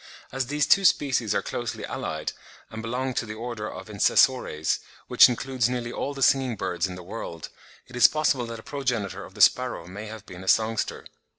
As these two species are closely allied, and belong to the order of Insessores, which includes nearly all the singing birds in the world, it is possible that a progenitor of the sparrow may have been a songster.